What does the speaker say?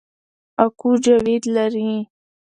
اکو جاوید لري